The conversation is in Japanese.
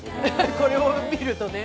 これを見るとね。